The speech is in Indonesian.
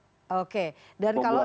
untuk bisa membuat